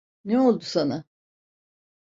Ne oldu sana?